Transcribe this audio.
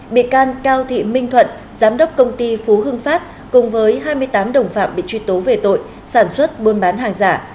bị can cao thị minh thuận giám đốc công ty phú hưng phát cùng với hai mươi tám đồng phạm bị truy tố về tội sản xuất buôn bán hàng giả